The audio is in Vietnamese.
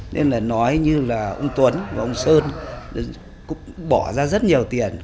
nên là nói như là ông tuấn và ông sơn cũng bỏ ra rất nhiều tiền